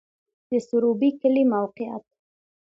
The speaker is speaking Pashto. د سروبی کلی موقعیت